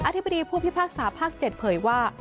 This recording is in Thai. ธิบดีผู้พิพากษาภาค๗เผยว่า